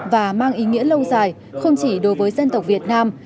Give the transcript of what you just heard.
và mang ý nghĩa lâu dài không chỉ đối với dân tộc việt nam